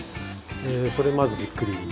それまずびっくり。